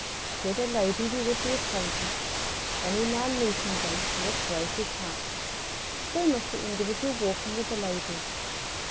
Should a lady be with the acquaintance, any man meeting them must raise his hat. So must the individual walking with the lady.